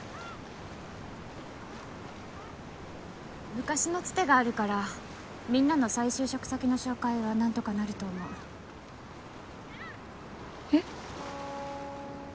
昔のつてがあるからみんなの再就職先の紹介は何とかなると思うえっ？